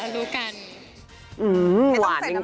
หวานจริง